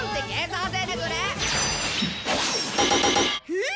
えっ？